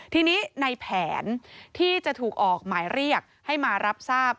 ทีนี้ในแผนที่จะถูกออกหมายเรียกให้มารับทราบ